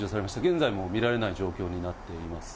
現在も見られない状況になっています。